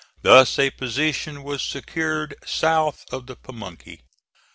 Thus a position was secured south of the Pamunkey.